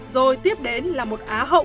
rồi tiếp đến là một á hậu